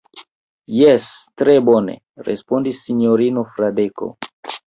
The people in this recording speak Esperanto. Jes, tre bone, respondis sinjorino Fradeko.